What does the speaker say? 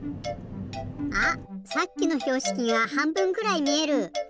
あっさっきのひょうしきがはんぶんくらいみえる！